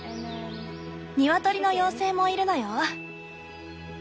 ニワトリの妖精もいるのよ。